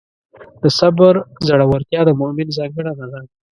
د صبر زړورتیا د مؤمن ځانګړنه ده.